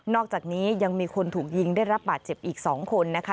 อกจากนี้ยังมีคนถูกยิงได้รับบาดเจ็บอีก๒คนนะคะ